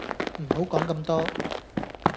唔好講咁多